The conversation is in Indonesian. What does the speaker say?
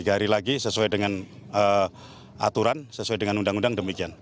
tiga hari lagi sesuai dengan aturan sesuai dengan undang undang demikian